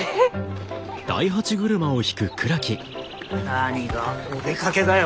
なにがお出かけだよ？